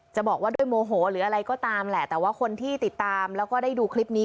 จะบอกว่าด้วยโมโหหรืออะไรก็ตามแหละแต่ว่าคนที่ติดตามแล้วก็ได้ดูคลิปนี้